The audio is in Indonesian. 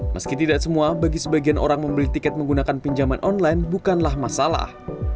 meski tidak semua bagi sebagian orang membeli tiket menggunakan pinjaman online bukanlah masalah